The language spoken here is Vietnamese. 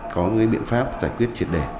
có những biện pháp giải quyết triệt đề